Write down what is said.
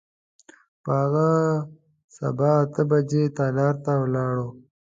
په هغه سبا اته بجې تالار ته ولاړو.